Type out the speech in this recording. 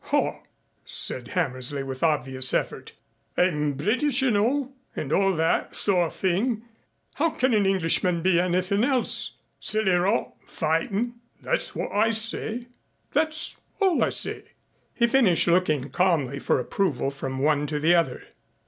"Haw!" said Hammersley with obvious effort. "I'm British, you know, and all that sort of thing. How can an Englishman be anything else? Silly rot fightin' that's what I say. That's all I say," he finished looking calmly for approval from one to the other.